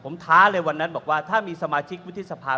ผมท้าเลยวันนั้นถ้ามีสมาชิกมุทธศพา